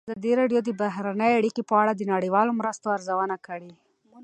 ازادي راډیو د بهرنۍ اړیکې په اړه د نړیوالو مرستو ارزونه کړې.